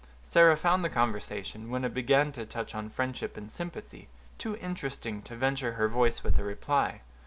Sarah found the conversation, when it began to touch on friendship and sympathy, too interesting to venture her voice with a reply.